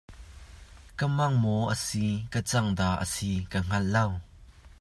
Ka mang maw a si ka cang dah a si ka hngal lo.